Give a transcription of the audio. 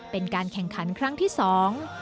เป็นการแข่งขันครั้งที่สอง